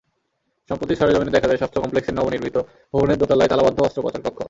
সম্প্রতি সরেজমিনে দেখা যায়, স্বাস্থ্য কমপ্লেক্সের নবনির্মিত ভবনের দোতলায় তালাবদ্ধ অস্ত্রোপচার কক্ষ।